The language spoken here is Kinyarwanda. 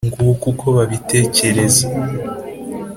nguko uko babitkereza